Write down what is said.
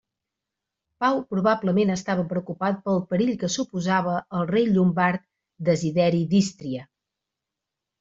Pau probablement estava preocupat pel perill que suposava el rei llombard Desideri d'Ístria.